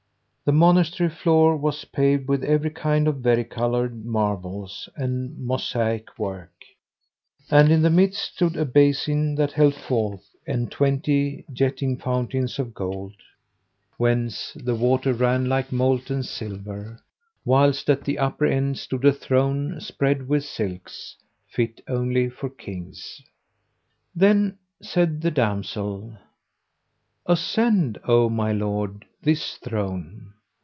The monastery floor was paved with every kind of vari coloured marbles and mosaic work, and in the midst stood a basin that held four and twenty jetting fountains of gold, whence the water ran like molten silver; whilst at the upper end stood a throne spread with silks fit only for Kings. Then said the damsel, "Ascend, O my lord, this throne."